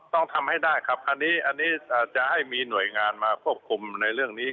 ต้องทำให้ได้ครับคันนี้อันนี้จะให้มีหน่วยงานมาควบคุมในเรื่องนี้